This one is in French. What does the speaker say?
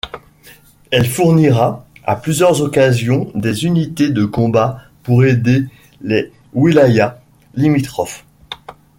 Elle fournira, à plusieurs occasions des unités de combattants pour aider les wilayas limitrophes.